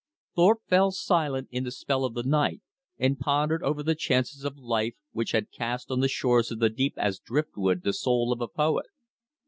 Thorpe fell silent in the spell of the night, and pondered over the chances of life which had cast on the shores of the deep as driftwood the soul of a poet.